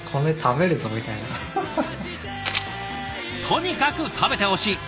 とにかく食べてほしい。